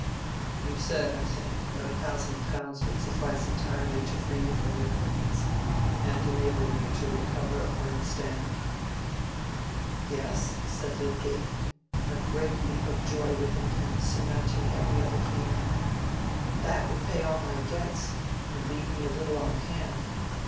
You said, I think, that a thousand pounds would suffice entirely to free you from your burthens, and enable you to recover a firm stand?" "Yes," said Lydgate, a great leap of joy within him surmounting every other feeling; "that would pay all my debts, and leave me a little on hand.